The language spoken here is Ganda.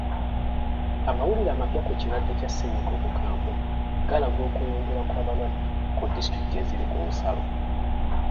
Amawulira amapya ku kirwadde kya ssennyiga omukambwe galaga okweyongera kw'abalwadde ku disitulikiti eziri ku nsalo.